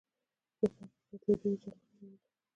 حقوق د بدلېدو یوه ځانګړې وړتیا لري.